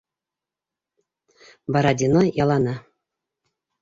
Бородино яланы.